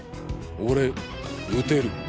俺撃てる。